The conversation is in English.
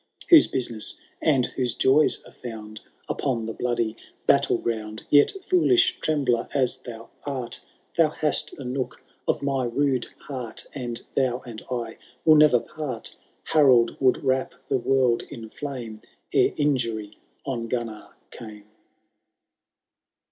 Whose business and whose joys axe faaad Upon the bloody battle ground. Yet, foolish trembler as thou art. Thou hast a nook of my rude heart, And thou and I will never part v— Harold would wrap the world in flame Ere injury on Gunnar came.